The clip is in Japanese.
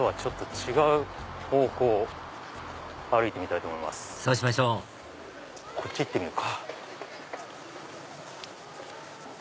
そうしましょうこっち行ってみようか。